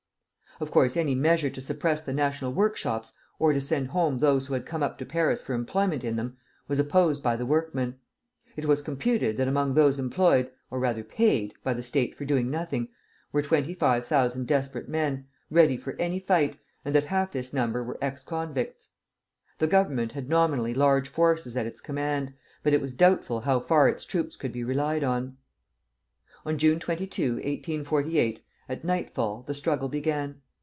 Of course any measure to suppress the national workshops, or to send home those who had come up to Paris for employment in them, was opposed by the workmen. It was computed that among those employed, or rather paid, by the State for doing nothing, were twenty five thousand desperate men, ready for any fight, and that half this number were ex convicts. The Government had nominally large forces at its command, but it was doubtful how far its troops could be relied on. On June 22, 1848, at nightfall the struggle began.